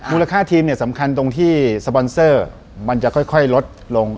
ค่าทีมเนี่ยสำคัญตรงที่สปอนเซอร์มันจะค่อยลดลง